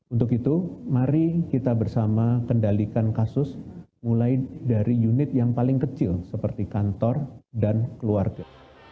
untuk itu mari kita bersama kendalikan kasus mulai dari unit yang paling kecil seperti kantor dan keluarga